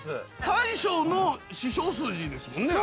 大将の師匠筋ですもんね？